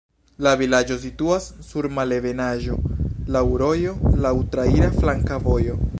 La vilaĝo situas sur malebenaĵo, laŭ rojo, laŭ traira flanka vojo.